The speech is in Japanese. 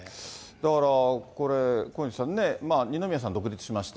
だからこれ、小西さんね、二宮さん、独立しました。